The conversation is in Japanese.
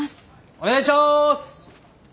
お願いします！